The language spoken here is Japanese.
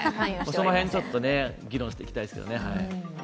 その辺、議論していきたいですよね。